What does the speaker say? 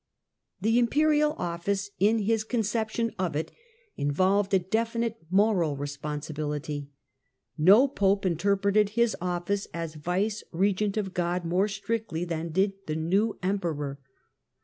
The Imperial office, in his conception of it, involved | a definite moral responsibility. No Pope interpreted this office as vicegerent of God more strictly than did I 12 178 tHE DAWN OF MEDIEVAL EUROPE the new Emperor.